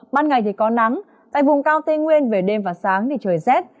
ban ngày thì có nắng tại vùng cao tây nguyên về đêm và sáng thì trời rét